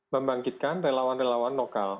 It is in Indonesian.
membangkitkan relawan relawan lokal